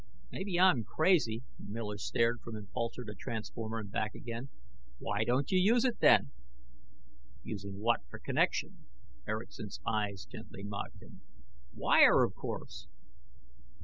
"Maybe I'm crazy!" Miller stared from impulsor to transformer and back again. "Why don't you use it, then?" "Using what for the connection?" Erickson's eyes gently mocked him. "Wire, of course!"